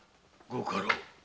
ご家老。